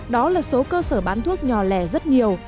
đó là số cơ sở bán thuốc nhò lẻ rất nhiều